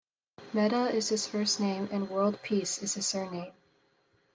"Metta" is his first name, and "World Peace" is his surname.